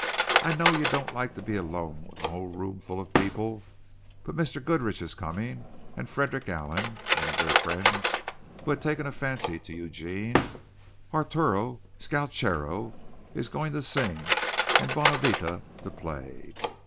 "I know you don't like to be alone with a whole roomful of people, but Mr. Goodrich is coming, and Frederick Allen (one of their friends who had taken a fancy to Eugene), Arturo Scalchero is going to sing and Bonavita to play."